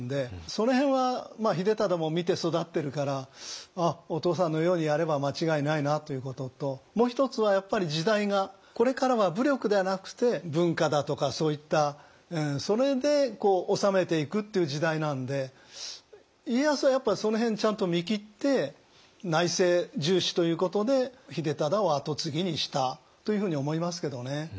その辺は秀忠も見て育ってるからお父さんのようにやれば間違いないなということともう一つはやっぱり時代がこれからは武力ではなくて文化だとかそういったそれで治めていくっていう時代なんで家康はやっぱりその辺ちゃんと見切って内政重視ということで秀忠を跡継ぎにしたというふうに思いますけどね。